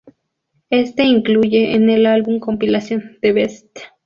Éste se incluye en el álbum-compilacíon The Best